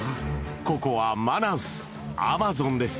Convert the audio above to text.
ここはマナウスアマゾンです